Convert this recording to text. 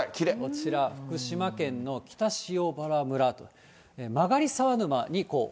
こちら福島県の北塩原村と。